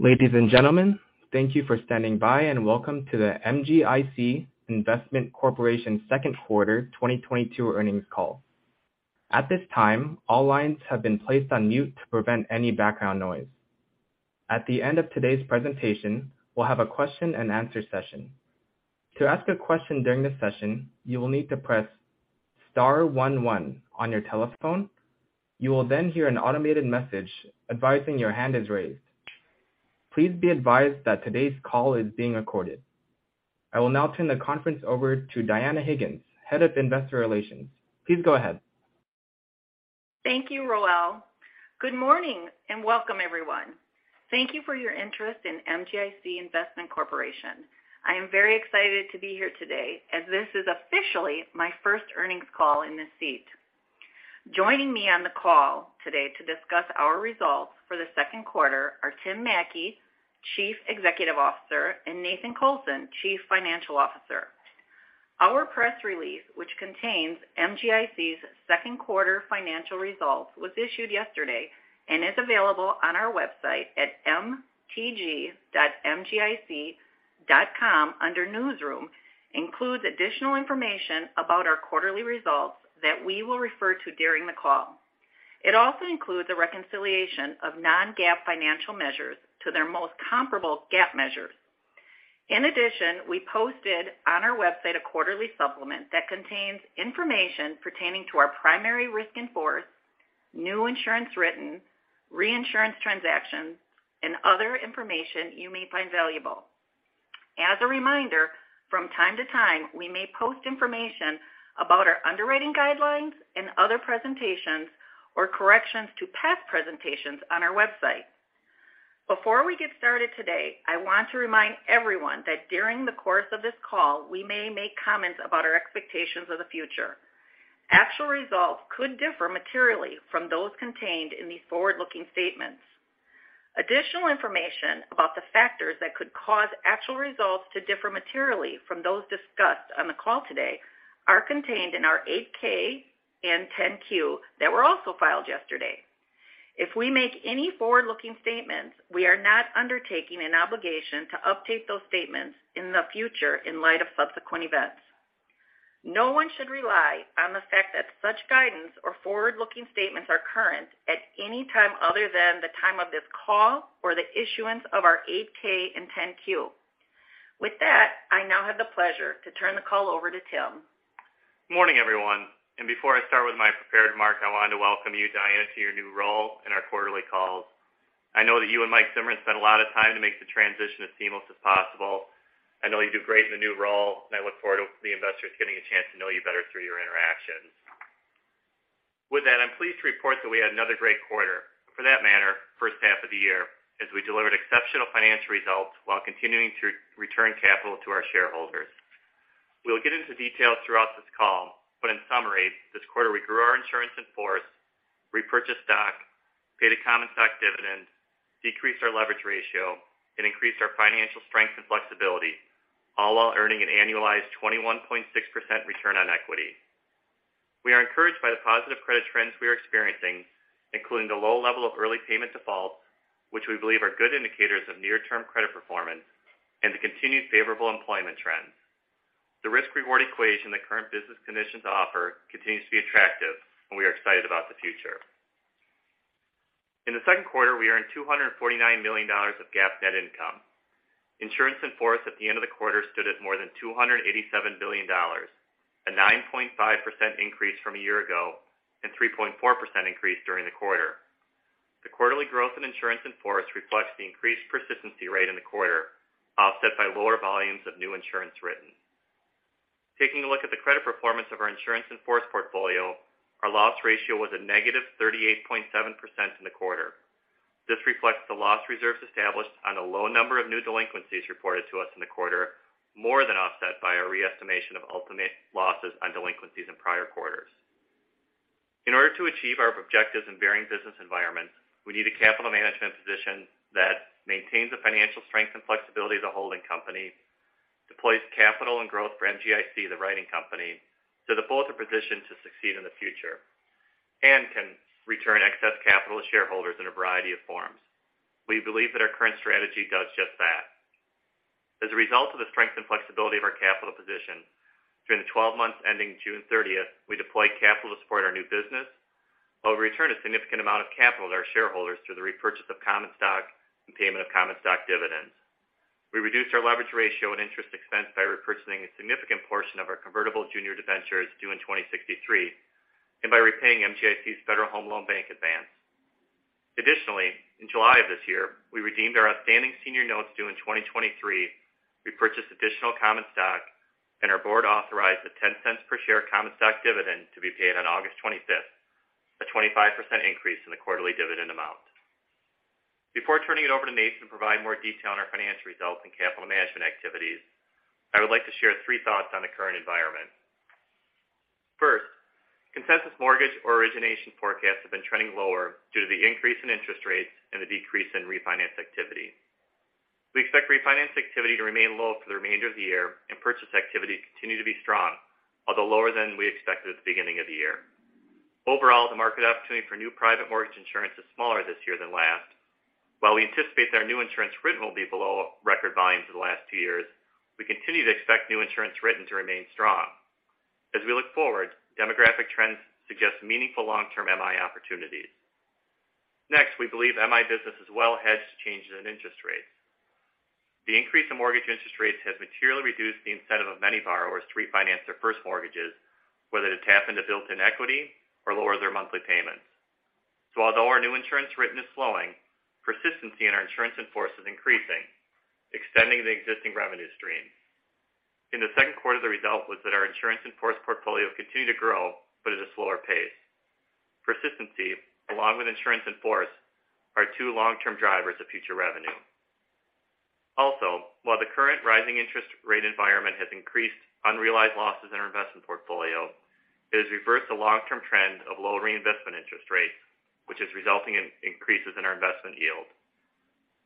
Ladies and gentlemen, thank you for standing by and welcome to the MGIC Investment Corporation's second quarter 2022 earnings call. At this time, all lines have been placed on mute to prevent any background noise. At the end of today's presentation, we'll have a question-and-answer session. To ask a question during this session, you will need to press star one one on your telephone. You will then hear an automated message advising your hand is raised. Please be advised that today's call is being recorded. I will now turn the conference over to Dianna Higgins, Head of Investor Relations. Please go ahead. Thank you, Roel. Good morning and welcome everyone. Thank you for your interest in MGIC Investment Corporation. I am very excited to be here today as this is officially my first earnings call in this seat. Joining me on the call today to discuss our results for the second quarter are Tim Mattke, Chief Executive Officer, and Nathan Colson, Chief Financial Officer. Our press release, which contains MGIC's second quarter financial results, was issued yesterday and is available on our website at mtg.mgic.com under Newsroom. It includes additional information about our quarterly results that we will refer to during the call. It also includes a reconciliation of non-GAAP financial measures to their most comparable GAAP measures. In addition, we posted on our website a quarterly supplement that contains information pertaining to our primary risk in force, new insurance written, reinsurance transactions, and other information you may find valuable. As a reminder, from time to time, we may post information about our underwriting guidelines and other presentations or corrections to past presentations on our website. Before we get started today, I want to remind everyone that during the course of this call, we may make comments about our expectations of the future. Actual results could differ materially from those contained in these forward-looking statements. Additional information about the factors that could cause actual results to differ materially from those discussed on the call today are contained in our Form 8-K and Form 10-Q that were also filed yesterday. If we make any forward-looking statements, we are not undertaking an obligation to update those statements in the future in light of subsequent events. No one should rely on the fact that such guidance or forward-looking statements are current at any time other than the time of this call or the issuance of our Form 8-K and Form 10-Q. With that, I now have the pleasure to turn the call over to Tim. Morning, everyone. Before I start with my prepared remarks, I want to welcome you, Dianna, to your new role in our quarterly calls. I know that you and Patrick Sinks spent a lot of time to make the transition as seamless as possible. I know you'll do great in the new role, and I look forward to the investors getting a chance to know you better through your interactions. With that, I'm pleased to report that we had another great quarter, for that matter, first half of the year, as we delivered exceptional financial results while continuing to return capital to our shareholders. We'll get into details throughout this call, but in summary, this quarter we grew our insurance in force, repurchased stock, paid a common stock dividend, decreased our leverage ratio, and increased our financial strength and flexibility, all while earning an annualized 21.6% return on equity. We are encouraged by the positive credit trends we are experiencing, including the low level of early payment defaults, which we believe are good indicators of near-term credit performance and the continued favorable employment trends. The risk/reward equation the current business conditions offer continues to be attractive, and we are excited about the future. In the second quarter, we earned $249 million of GAAP net income. Insurance in force at the end of the quarter stood at more than $287 billion, a 9.5% increase from a year ago and 3.4% increase during the quarter. The quarterly growth in insurance in force reflects the increased persistency rate in the quarter, offset by lower volumes of new insurance written. Taking a look at the credit performance of our insurance in-force portfolio, our loss ratio was a -38.7% in the quarter. This reflects the loss reserves established on a low number of new delinquencies reported to us in the quarter, more than offset by our re-estimation of ultimate losses on delinquencies in prior quarters. In order to achieve our objectives in varying business environments, we need a capital management position that maintains the financial strength and flexibility of the holding company, deploys capital and growth for MGIC, the writing company, so that both are positioned to succeed in the future and can return excess capital to shareholders in a variety of forms. We believe that our current strategy does just that. As a result of the strength and flexibility of our capital position, during the 12 months ending June 30th, we deployed capital to support our new business, while returning a significant amount of capital to our shareholders through the repurchase of common stock and payment of common stock dividends. We reduced our leverage ratio and interest expense by repurchasing a significant portion of our convertible junior debentures due in 2063 and by repaying MGIC's Federal Home Loan Bank advance. Additionally, in July of this year, we redeemed our outstanding senior notes due in 2023, repurchased additional common stock, and our board authorized a $0.10 per share common stock dividend to be paid on August 25th, a 25% increase in the quarterly dividend amount. Before turning it over to Nathan to provide more detail on our financial results and capital management activities, I would like to share three thoughts on the current environment. First, consensus mortgage origination forecasts have been trending lower due to the increase in interest rates and the decrease in refinance activity. We expect refinance activity to remain low for the remainder of the year and purchase activity to continue to be strong, although lower than we expected at the beginning of the year. Overall, the market opportunity for new private mortgage insurance is smaller this year than last. While we anticipate that our new insurance written will be below record volumes in the last two years, we continue to expect new insurance written to remain strong. As we look forward, demographic trends suggest meaningful long-term MI opportunities. Next, we believe MI business is well-hedged to changes in interest rates. The increase in mortgage interest rates has materially reduced the incentive of many borrowers to refinance their first mortgages, whether to tap into built-in equity or lower their monthly payments. Although our new insurance written is slowing, persistency in our insurance in force is increasing, extending the existing revenue stream. In the second quarter, the result was that our insurance in force portfolio continued to grow, but at a slower pace. Persistency, along with insurance in force, are two long-term drivers of future revenue. Also, while the current rising interest rate environment has increased unrealized losses in our investment portfolio, it has reversed the long-term trend of low reinvestment interest rates, which is resulting in increases in our investment yield.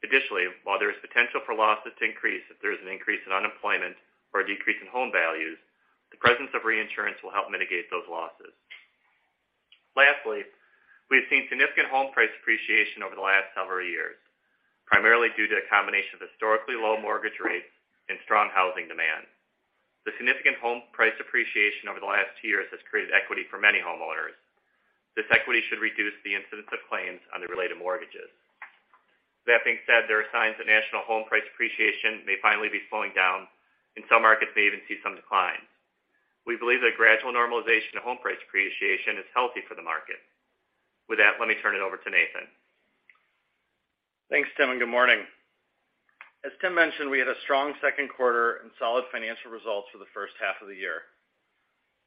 Additionally, while there is potential for losses to increase if there is an increase in unemployment or a decrease in home values, the presence of reinsurance will help mitigate those losses. Lastly, we've seen significant home price appreciation over the last several years, primarily due to a combination of historically low mortgage rates and strong housing demand. The significant home price appreciation over the last two years has created equity for many homeowners. This equity should reduce the incidence of claims on the related mortgages. That being said, there are signs that national home price appreciation may finally be slowing down, and some markets may even see some decline. We believe that gradual normalization of home price appreciation is healthy for the market. With that, let me turn it over to Nathan. Thanks, Tim, and good morning. As Tim mentioned, we had a strong second quarter and solid financial results for the first half of the year.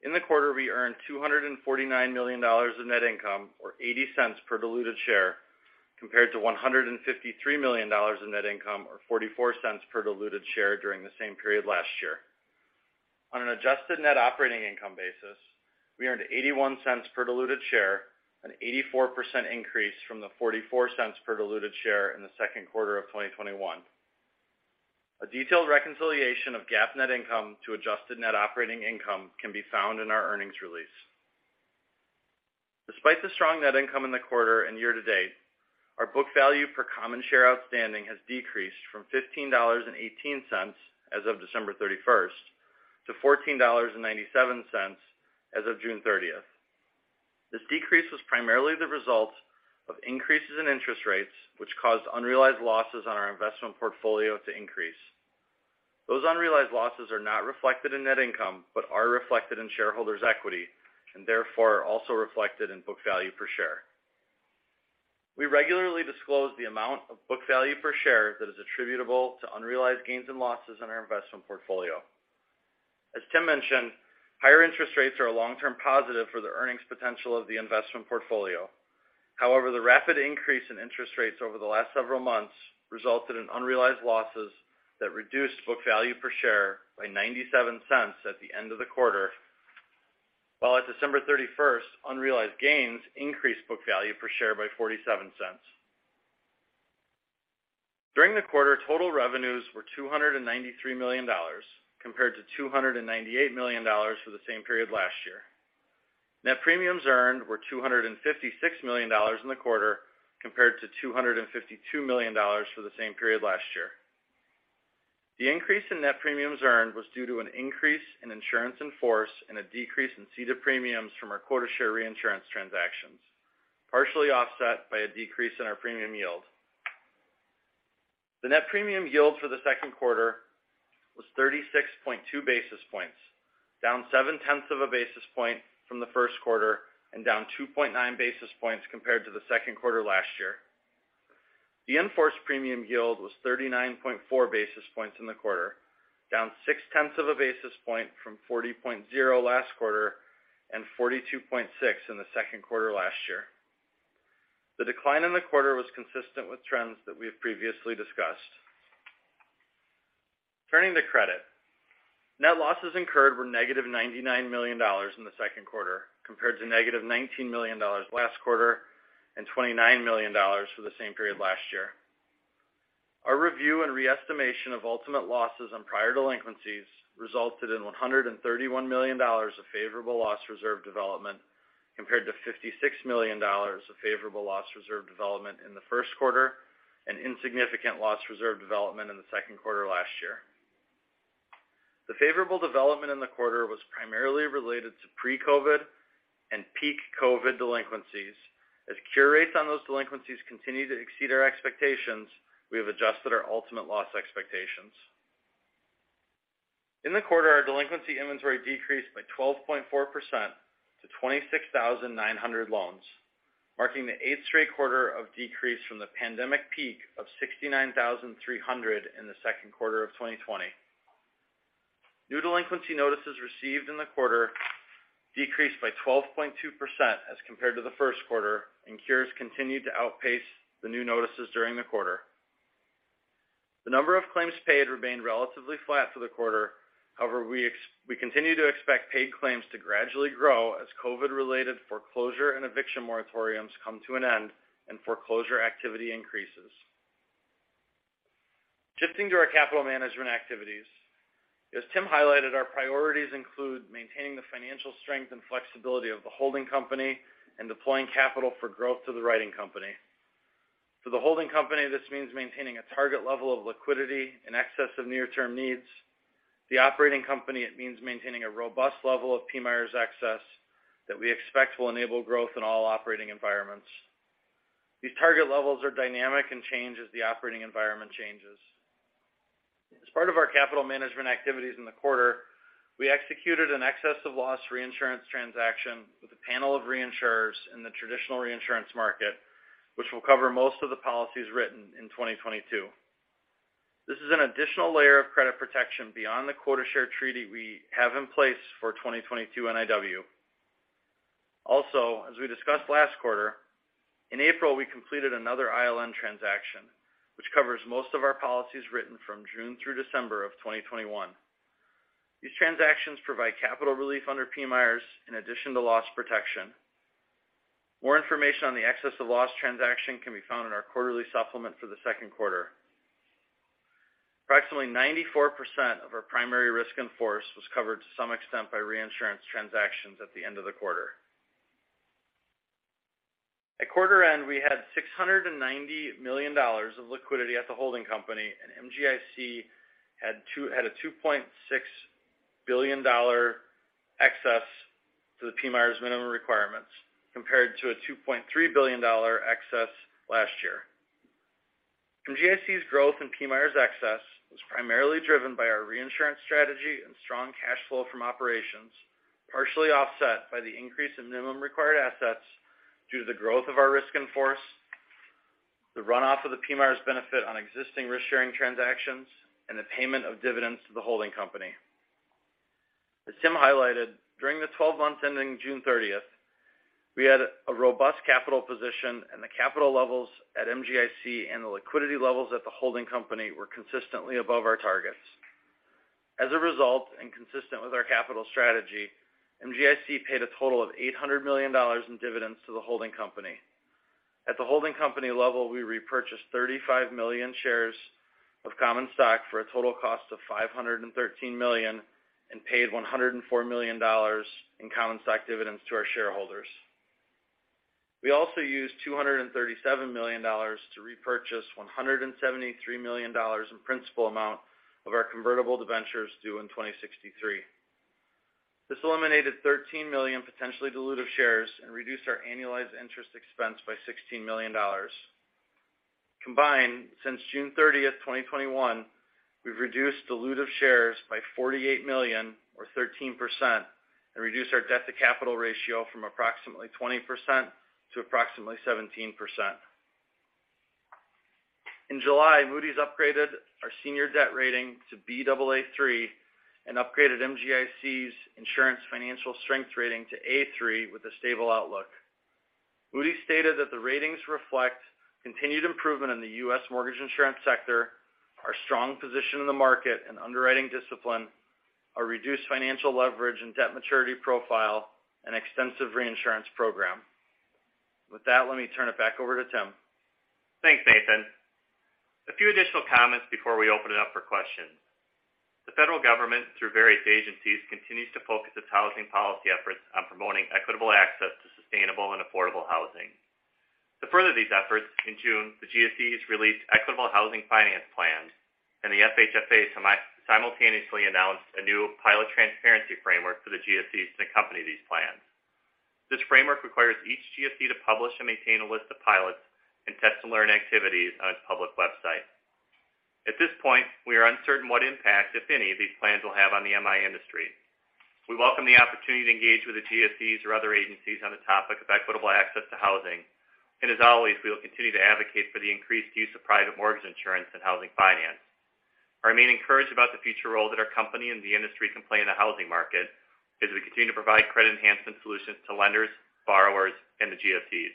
In the quarter, we earned $249 million in net income or $0.80 per diluted share, compared to $153 million in net income or $0.44 per diluted share during the same period last year. On an adjusted net operating income basis, we earned $0.81 per diluted share, an 84% increase from the $0.44 per diluted share in the second quarter of 2021. A detailed reconciliation of GAAP net income to adjusted net operating income can be found in our earnings release. Despite the strong net income in the quarter and year to date, our book value per common share outstanding has decreased from $15.18 as of December 31st to $14.97 as of June 30th. This decrease was primarily the result of increases in interest rates, which caused unrealized losses on our investment portfolio to increase. Those unrealized losses are not reflected in net income, but are reflected in shareholders' equity, and therefore, are also reflected in book value per share. We regularly disclose the amount of book value per share that is attributable to unrealized gains and losses on our investment portfolio. As Tim mentioned, higher interest rates are a long-term positive for the earnings potential of the investment portfolio. However, the rapid increase in interest rates over the last several months resulted in unrealized losses that reduced book value per share by $0.97 at the end of the quarter. While at December 31, unrealized gains increased book value per share by $0.47. During the quarter, total revenues were $293 million, compared to $298 million for the same period last year. Net premiums earned were $256 million in the quarter, compared to $252 million for the same period last year. The increase in net premiums earned was due to an increase in insurance in force and a decrease in ceded premiums from our quota share reinsurance transactions, partially offset by a decrease in our premium yield. The net premium yield for the second quarter was 36.2 basis points, down 0.7 of a basis point from the first quarter and down 2.9 basis points compared to the second quarter last year. The in-force premium yield was 39.4 basis points in the quarter, down 0.6 of a basis point from 40.0 last quarter and 42.6 in the second quarter last year. The decline in the quarter was consistent with trends that we have previously discussed. Turning to credit. Net losses incurred were -$99 million in the second quarter, compared to -$19 million last quarter and $29 million for the same period last year. Our review and re-estimation of ultimate losses on prior delinquencies resulted in $131 million of favorable loss reserve development, compared to $56 million of favorable loss reserve development in the first quarter and insignificant loss reserve development in the second quarter last year. The favorable development in the quarter was primarily related to pre-COVID and peak COVID delinquencies. As cure rates on those delinquencies continue to exceed our expectations, we have adjusted our ultimate loss expectations. In the quarter, our delinquency inventory decreased by 12.4% to 26,900 loans, marking the eighth straight quarter of decrease from the pandemic peak of 69,300 in the second quarter of 2020. New delinquency notices received in the quarter decreased by 12.2% as compared to the first quarter, and cures continued to outpace the new notices during the quarter. The number of claims paid remained relatively flat for the quarter. However, we continue to expect paid claims to gradually grow as COVID-related foreclosure and eviction moratoriums come to an end and foreclosure activity increases. Shifting to our capital management activities. As Tim highlighted, our priorities include maintaining the financial strength and flexibility of the holding company and deploying capital for growth to the writing company. For the holding company, this means maintaining a target level of liquidity in excess of near-term needs. The operating company, it means maintaining a robust level of PMIERs excess that we expect will enable growth in all operating environments. These target levels are dynamic and change as the operating environment changes. As part of our capital management activities in the quarter, we executed an excess of loss reinsurance transaction with a panel of reinsurers in the traditional reinsurance market, which will cover most of the policies written in 2022. This is an additional layer of credit protection beyond the quota share treaty we have in place for 2022 NIW. Also, as we discussed last quarter, in April, we completed another ILN transaction, which covers most of our policies written from June through December of 2021. These transactions provide capital relief under PMIERs in addition to loss protection. More information on the excess of loss transaction can be found in our quarterly supplement for the second quarter. Approximately 94% of our primary risk in force was covered to some extent by reinsurance transactions at the end of the quarter. At quarter end, we had $690 million of liquidity at the holding company, and MGIC had a $2.6 billion excess to the PMIERs minimum requirements, compared to a $2.3 billion excess last year. MGIC's growth in PMIERs excess was primarily driven by our reinsurance strategy and strong cash flow from operations, partially offset by the increase in minimum required assets due to the growth of our risk in force, the runoff of the PMIERs benefit on existing risk-sharing transactions, and the payment of dividends to the holding company. As Tim highlighted, during the 12 months ending June 30, we had a robust capital position, and the capital levels at MGIC and the liquidity levels at the holding company were consistently above our targets. As a result, and consistent with our capital strategy, MGIC paid a total of $800 million in dividends to the holding company. At the holding company level, we repurchased 35 million shares of common stock for a total cost of $513 million and paid $104 million in common stock dividends to our shareholders. We also used $237 million to repurchase $173 million in principal amount of our convertible debentures due in 2063. This eliminated 13 million potentially dilutive shares and reduced our annualized interest expense by $16 million. Combined, since June 30, 2021, we've reduced dilutive shares by 48 million or 13%, and reduced our debt-to-capital ratio from approximately 20% to approximately 17%. In July, Moody's upgraded our senior debt rating to Baa3 and upgraded MGIC's insurance financial strength rating to A3 with a stable outlook. Moody's stated that the ratings reflect continued improvement in the U.S. mortgage insurance sector, our strong position in the market and underwriting discipline, our reduced financial leverage and debt maturity profile, and extensive reinsurance program. With that, let me turn it back over to Tim. Thanks, Nathan. A few additional comments before we open it up for questions. The federal government, through various agencies, continues to focus its housing policy efforts on promoting equitable access to sustainable and affordable housing. To further these efforts, in June, the GSEs released equitable housing finance plans, and the FHFA simultaneously announced a new pilot transparency framework for the GSEs to accompany these plans. This framework requires each GSE to publish and maintain a list of pilots and test-and-learn activities on its public website. At this point, we are uncertain what impact, if any, these plans will have on the MI industry. We welcome the opportunity to engage with the GSEs or other agencies on the topic of equitable access to housing. As always, we will continue to advocate for the increased use of private mortgage insurance and housing finance. I remain encouraged about the future role that our company and the industry can play in the housing market as we continue to provide credit enhancement solutions to lenders, borrowers, and the GSEs.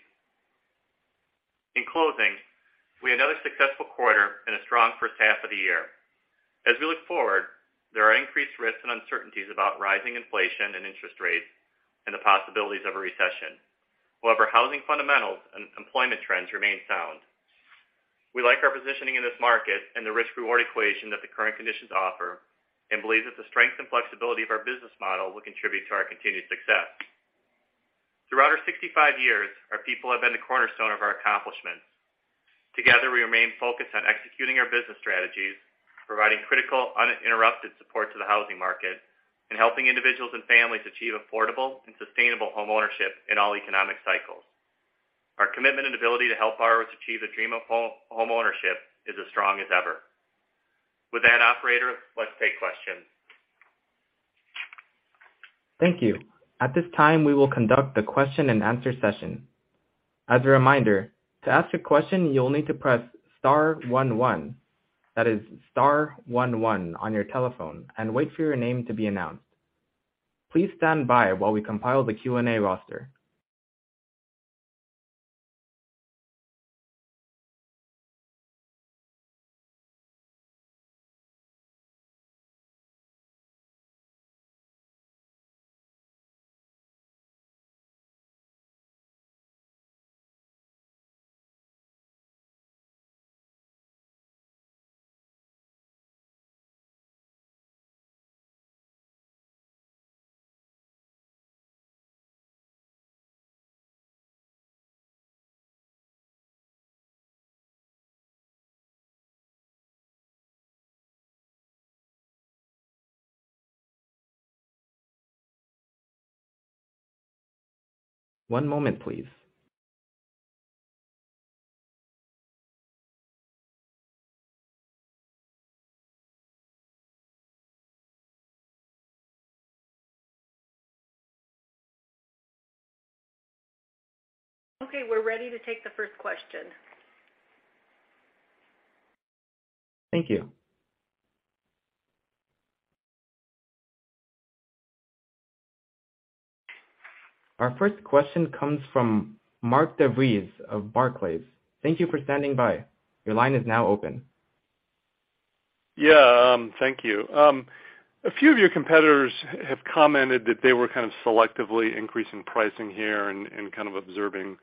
In closing, we had another successful quarter and a strong first half of the year. As we look forward, there are increased risks and uncertainties about rising inflation and interest rates and the possibilities of a recession. However, housing fundamentals and employment trends remain sound. We like our positioning in this market and the risk-reward equation that the current conditions offer and believe that the strength and flexibility of our business model will contribute to our continued success. Throughout our 65 years, our people have been the cornerstone of our accomplishments. Together, we remain focused on executing our business strategies, providing critical, uninterrupted support to the housing market, and helping individuals and families achieve affordable and sustainable homeownership in all economic cycles. Our commitment and ability to help borrowers achieve the dream of homeownership is as strong as ever. With that, operator, let's take questions. Thank you. At this time, we will conduct the question-and-answer session. As a reminder, to ask a question, you'll need to press star one one. That is star one one on your telephone and wait for your name to be announced. Please stand by while we compile the Q&A roster. One moment, please. Okay, we're ready to take the first question. Thank you. Our first question comes from Mark DeVries of Barclays. Thank you for standing by. Your line is now open. Yeah. Thank you. A few of your competitors have commented that they were kind of selectively increasing pricing here and kind of observing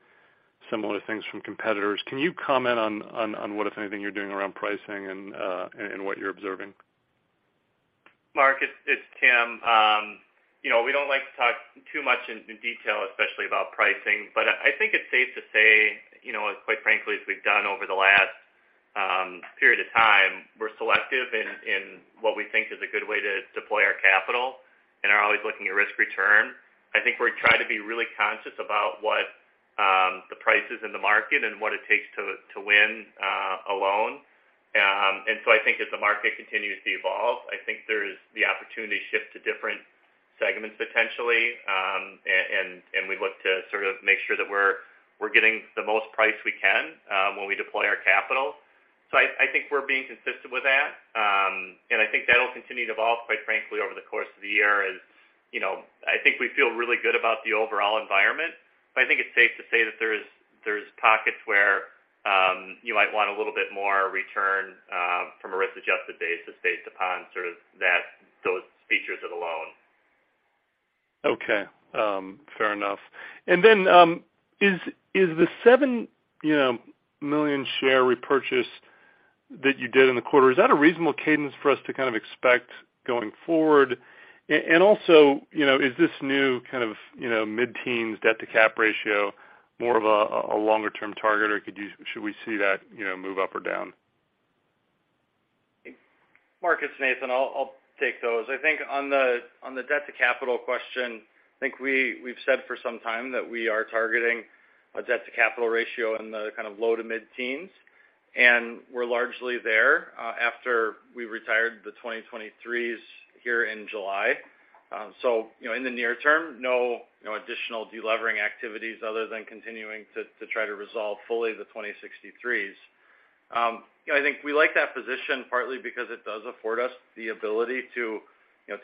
similar things from competitors. Can you comment on what, if anything, you're doing around pricing and what you're observing? Mark, it's Tim. You know, we don't like to talk too much in detail, especially about pricing. I think it's safe to say, you know, quite frankly, as we've done over the last period of time, we're selective in what we think is a good way to deploy our capital and are always looking at risk return. I think we're trying to be really conscious about what the prices in the market and what it takes to win a loan. We look to sort of make sure that we're getting the most price we can when we deploy our capital. I think we're being consistent with that. I think that'll continue to evolve, quite frankly, over the course of the year. As you know, I think we feel really good about the overall environment. I think it's safe to say that there's pockets where you might want a little bit more return from a risk-adjusted basis based upon sort of those features of the loan. Fair enough. Is the 7, you know, million share repurchase that you did in the quarter a reasonable cadence for us to kind of expect going forward? Is this new kind of, you know, mid-teens debt-to-capital ratio more of a longer term target, or should we see that, you know, move up or down? Mark, it's Nathan. I'll take those. I think on the debt-to-capital question, I think we've said for some time that we are targeting a debt-to-capital ratio in the kind of low to mid-teens, and we're largely there, after we retired the 2023s here in July. You know, in the near term, no additional delevering activities other than continuing to try to resolve fully the 2063s. You know, I think we like that position partly because it does afford us the ability to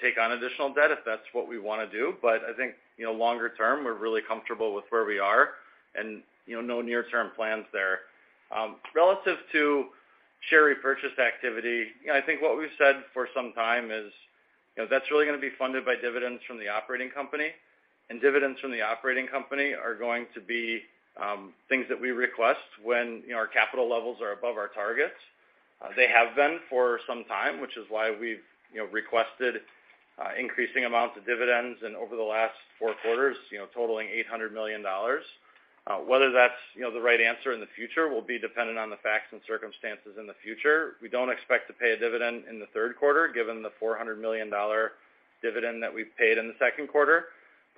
take on additional debt if that's what we wanna do. I think longer term, we're really comfortable with where we are and no near-term plans there. Relative to share repurchase activity, you know, I think what we've said for some time is, you know, that's really gonna be funded by dividends from the operating company, and dividends from the operating company are going to be things that we request when, you know, our capital levels are above our targets. They have been for some time, which is why we've, you know, requested increasing amounts of dividends and over the last four quarters, you know, totaling $800 million. Whether that's, you know, the right answer in the future will be dependent on the facts and circumstances in the future. We don't expect to pay a dividend in the third quarter, given the $400 million dividend that we paid in the second quarter.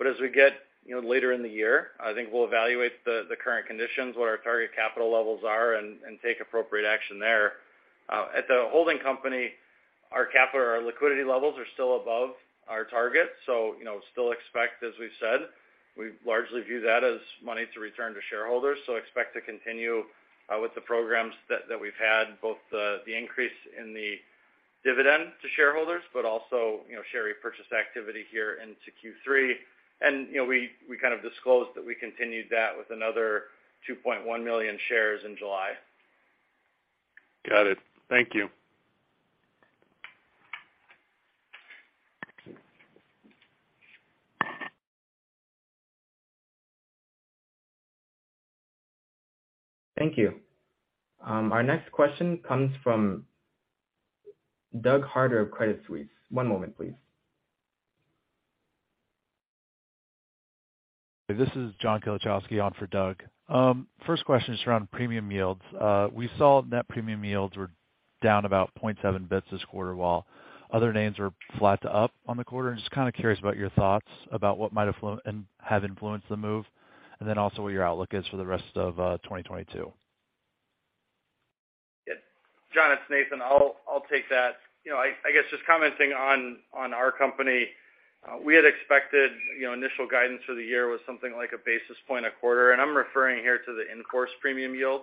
As we get, you know, later in the year, I think we'll evaluate the current conditions, what our target capital levels are and take appropriate action there. At the holding company, our capital or our liquidity levels are still above our target. You know, still expect, as we've said, we largely view that as money to return to shareholders. Expect to continue with the programs that we've had, both the increase in the dividend to shareholders, but also, you know, share repurchase activity here into Q3. You know, we kind of disclosed that we continued that with another 2.1 million shares in July. Got it. Thank you. Thank you. Our next question comes from Douglas Harter of Credit Suisse. One moment, please. This is John Kalachowski on for Doug. First question is around premium yields. We saw net premium yields were down about 0.7 basis points this quarter, while other names were flat to up on the quarter. Just kind of curious about your thoughts about what might have influenced the move, and then also what your outlook is for the rest of 2022. Yeah. John, it's Nathan. I'll take that. You know, I guess just commenting on our company, we had expected, you know, initial guidance for the year was something like 1 basis point a quarter. I'm referring here to the in-force premium yield.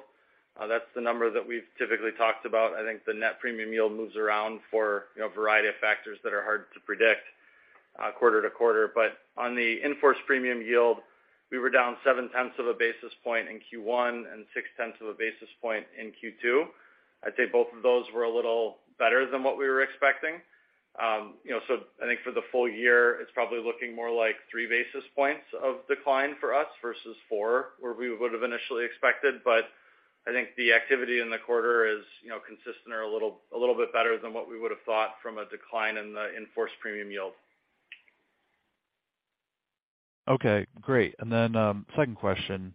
That's the number that we've typically talked about. I think the net premium yield moves around for, you know, a variety of factors that are hard to predict quarter to quarter. On the in-force premium yield, we were down 0.7 of a basis point in Q1 and 0.6 of a basis point in Q2. I'd say both of those were a little better than what we were expecting. You know, I think for the full year, it's probably looking more like 3 basis points of decline for us versus 4, where we would've initially expected. I think the activity in the quarter is, you know, consistent or a little bit better than what we would've thought from a decline in the in-force premium yield. Okay, great. Second question.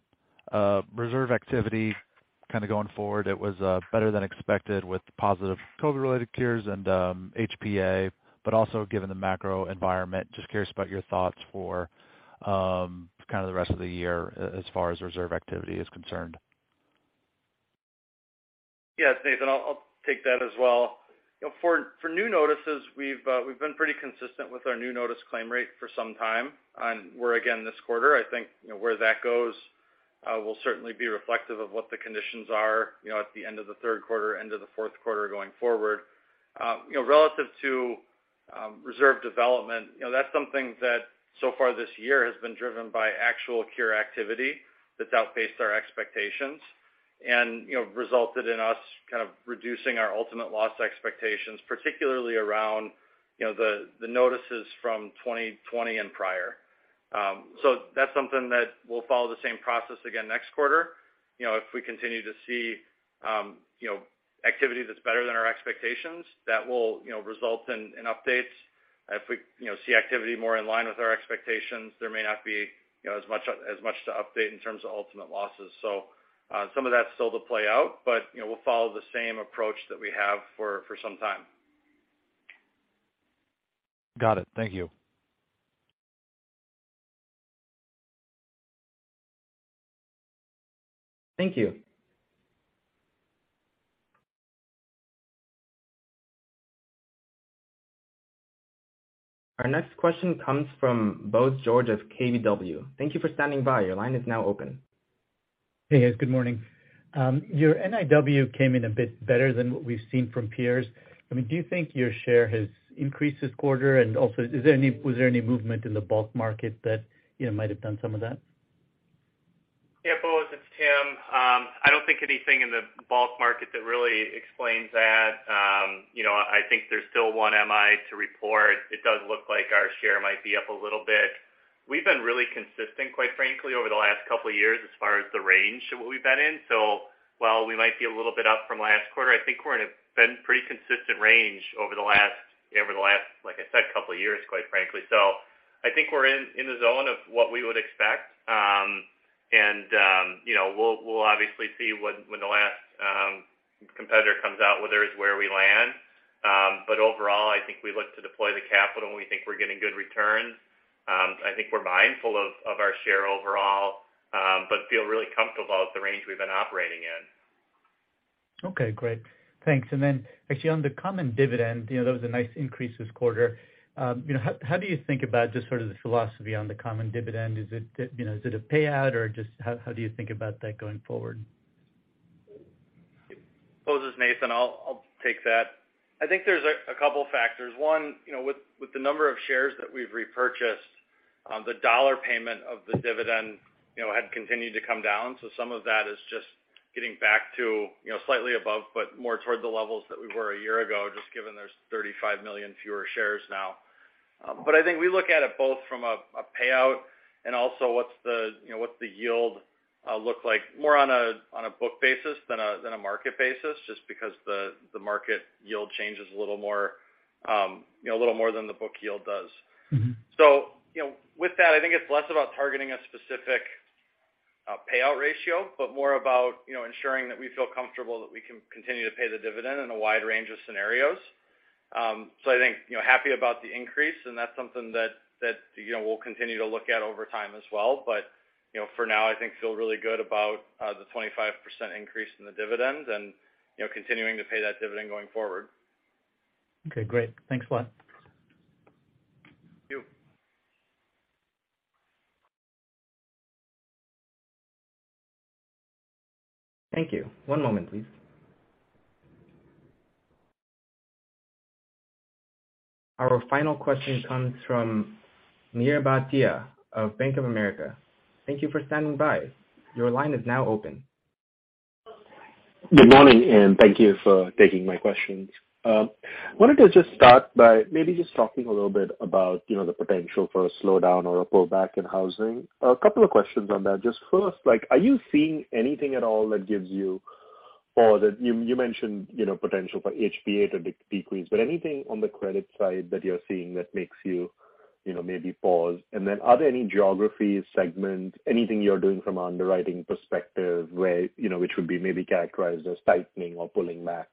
Reserve activity kind of going forward, it was better than expected with positive COVID-related cures and HPA, but also given the macro environment. Just curious about your thoughts for kind of the rest of the year as far as reserve activity is concerned. Yeah, Nathan, I'll take that as well. You know, for new notices, we've been pretty consistent with our new notice claim rate for some time, and we're again this quarter. I think, you know, where that goes will certainly be reflective of what the conditions are, you know, at the end of the third quarter, end of the fourth quarter going forward. You know, relative to reserve development, you know, that's something that so far this year has been driven by actual cure activity that's outpaced our expectations and, you know, resulted in us kind of reducing our ultimate loss expectations, particularly around, you know, the notices from 2020 and prior. That's something that we'll follow the same process again next quarter. You know, if we continue to see you know, activity that's better than our expectations, that will you know, result in updates. If we you know, see activity more in line with our expectations, there may not be you know, as much to update in terms of ultimate losses. Some of that's still to play out, but you know, we'll follow the same approach that we have for some time. Got it. Thank you. Thank you. Our next question comes from Bose George of KBW. Thank you for standing by. Your line is now open. Hey, guys. Good morning. Your NIW came in a bit better than what we've seen from peers. I mean, do you think your share has increased this quarter? Also, was there any movement in the bulk market that, you know, might have done some of that? Yeah, Bose, it's Tim. I don't think anything in the bulk market that really explains that. You know, I think there's still one MI to report. It does look like our share might be up a little bit. We've been really consistent, quite frankly, over the last couple of years as far as the range of what we've been in. While we might be a little bit up from last quarter, I think we're been pretty consistent range over the last, like I said, couple of years, quite frankly. I think we're in the zone of what we would expect. You know, we'll obviously see when the last competitor comes out whether it's where we land. Overall, I think we look to deploy the capital when we think we're getting good returns. I think we're mindful of our share overall, but feel really comfortable with the range we've been operating in. Okay, great. Thanks. Actually on the common dividend, you know, there was a nice increase this quarter. You know, how do you think about just sort of the philosophy on the common dividend? Is it, you know, is it a payout or just how do you think about that going forward? Bose, this is Nathan. I'll take that. I think there's a couple factors. One, you know, with the number of shares that we've repurchased, the dollar payment of the dividend, you know, had continued to come down. Some of that is just getting back to, you know, slightly above but more toward the levels that we were a year ago, just given there's 35 million fewer shares now. But I think we look at it both from a payout and also what's the, you know, what the yield look like more on a book basis than a market basis, just because the market yield changes a little more, you know, a little more than the book yield does. Mm-hmm. You know, with that, I think it's less about targeting a specific payout ratio, but more about, you know, ensuring that we feel comfortable that we can continue to pay the dividend in a wide range of scenarios. I think, you know, happy about the increase, and that's something that we'll continue to look at over time as well. You know, for now, I think feel really good about the 25% increase in the dividend and, you know, continuing to pay that dividend going forward. Okay, great. Thanks a lot. Thank you. Thank you. One moment please. Our final question comes from Mihir Bhatia of Bank of America. Thank you for standing by. Your line is now open. Good morning, and thank you for taking my questions. Wanted to just start by maybe just talking a little bit about, you know, the potential for a slowdown or a pullback in housing. A couple of questions on that. Just first, like, are you seeing anything at all that gives you pause? You mentioned, you know, potential for HPA to decrease, but anything on the credit side that you're seeing that makes you know, maybe pause? Are there any geographies, segment, anything you're doing from underwriting perspective where, you know, which would be maybe characterized as tightening or pulling back?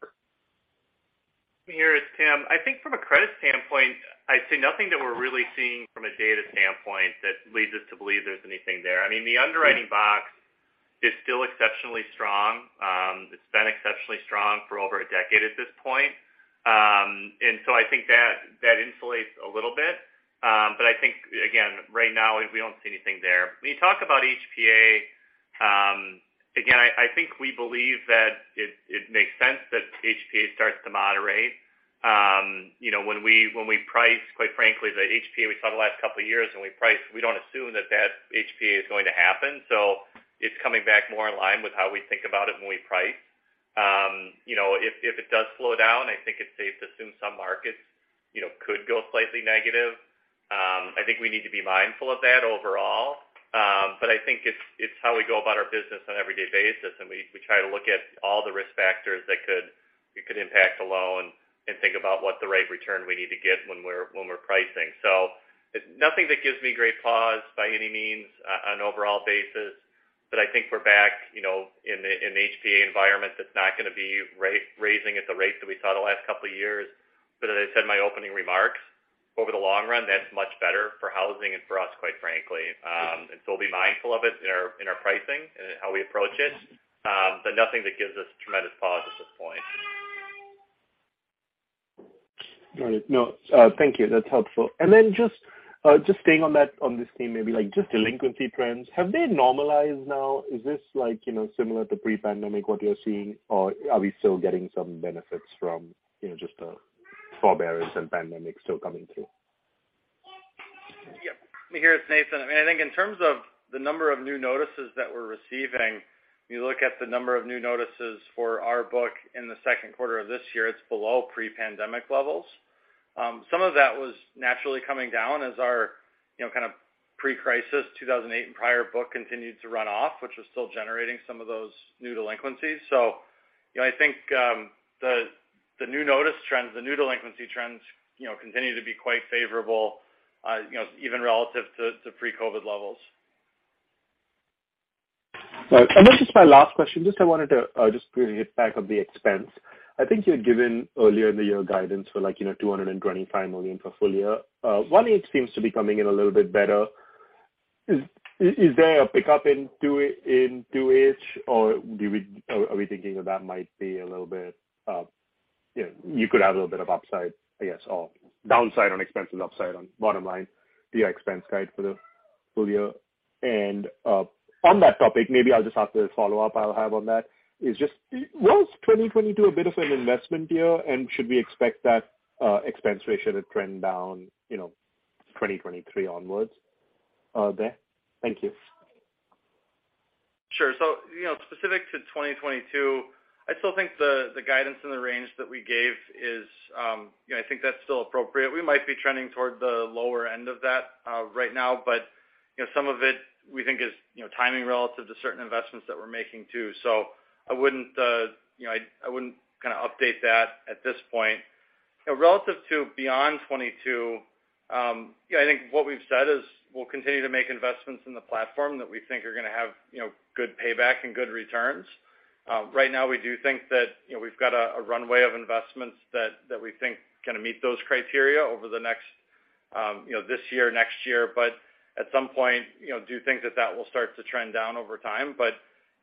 Mihir, it's Tim. I think from a credit standpoint, I'd say nothing that we're really seeing from a data standpoint that leads us to believe there's anything there. I mean, the underwriting box is still exceptionally strong. It's been exceptionally strong for over a decade at this point. I think that insulates a little bit. I think again, right now we don't see anything there. When you talk about HPA, we believe that it makes sense that HPA starts to moderate. You know, when we price, quite frankly, the HPA we saw the last couple of years, we don't assume that that HPA is going to happen. It's coming back more in line with how we think about it when we price. You know, if it does slow down, I think it's safe to assume some markets, you know, could go slightly negative. I think we need to be mindful of that overall. I think it's how we go about our business on an everyday basis. We try to look at all the risk factors that could impact a loan and think about what the right return we need to get when we're pricing. Nothing that gives me great pause by any means on overall basis. I think we're back, you know, in the HPA environment that's not gonna be raising at the rate that we saw the last couple of years. As I said in my opening remarks, over the long run, that's much better for housing and for us, quite frankly. We'll be mindful of it in our pricing and how we approach it. Nothing that gives us tremendous pause at this point. All right. No. Thank you. That's helpful. Just staying on this theme, maybe like just delinquency trends. Have they normalized now? Is this like, you know, similar to pre-pandemic, what you're seeing? Or are we still getting some benefits from, you know, just forbearance and pandemic still coming through? Yeah. Hi, it's Nathan. I mean, I think in terms of the number of new notices that we're receiving, you look at the number of new notices for our book in the second quarter of this year, it's below pre-pandemic levels. Some of that was naturally coming down as our, you know, kind of pre-crisis, 2008 and prior book continued to run off, which was still generating some of those new delinquencies. You know, I think, the new notice trends, the new delinquency trends, you know, continue to be quite favorable, you know, even relative to pre-COVID levels. Right. This is my last question. Just, I wanted to just really hit back on the expense. I think you had given earlier in the year guidance for like, you know, $225 million for full year. 1H seems to be coming in a little bit better. Is there a pickup in 2H or are we thinking that might be a little bit, you know, you could have a little bit of upside, I guess, or downside on expenses, upside on bottom line to your expense guide for the full year. On that topic, maybe I'll just ask the follow-up I'll have on that. Is just, was 2022 a bit of an investment year? Should we expect that expense ratio to trend down, you know, 2023 onwards, there? Thank you. Sure. You know, specific to 2022, I still think the guidance and the range that we gave is, you know, I think that's still appropriate. We might be trending toward the lower end of that right now. You know, some of it we think is, you know, timing relative to certain investments that we're making too. I wouldn't, you know, I wouldn't kind of update that at this point. You know, relative to beyond 2022, yeah, I think what we've said is we'll continue to make investments in the platform that we think are gonna have, you know, good payback and good returns. Right now we do think that, you know, we've got a runway of investments that we think can meet those criteria over the next, you know, this year, next year. At some point, you know, do think that will start to trend down over time. You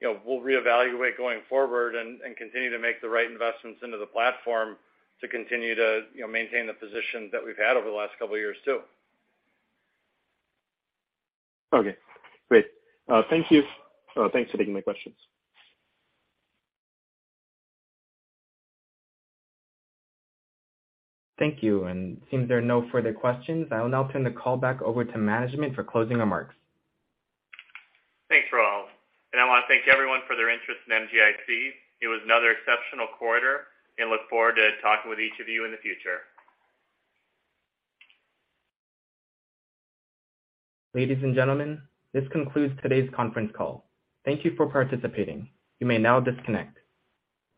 know, we'll reevaluate going forward and continue to make the right investments into the platform to continue to, you know, maintain the position that we've had over the last couple of years too. Okay, great. Thank you. Thanks for taking my questions. Thank you. Seems there are no further questions. I will now turn the call back over to management for closing remarks. Thanks, Roel. I wanna thank everyone for their interest in MGIC. It was another exceptional quarter and look forward to talking with each of you in the future. Ladies and gentlemen, this concludes today's conference call. Thank you for participating. You may now disconnect.